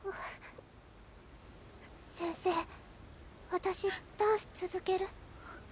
私ダンス続ける。